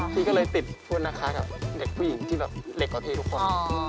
พี่ก็เลยติดโทษนะคะกับเด็กผู้หญิงที่แบบเหล็กกว่าพี่ทุกคน